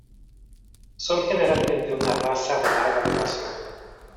Son generalmente una raza de larga duración.